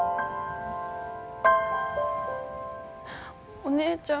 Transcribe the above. お姉ちゃん。